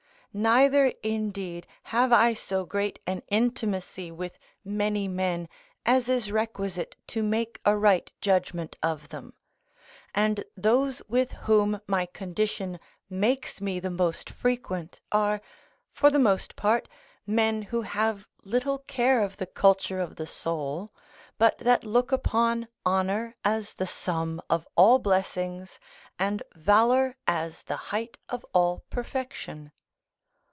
Neither, indeed, have I so great an intimacy with many men as is requisite to make a right judgment of them; and those with whom my condition makes me the most frequent, are, for the most part, men who have little care of the culture of the soul, but that look upon honour as the sum of all blessings, and valour as the height of all perfection.